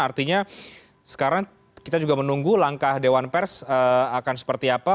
artinya sekarang kita juga menunggu langkah dewan pers akan seperti apa